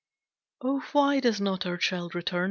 "Oh why does not our child return?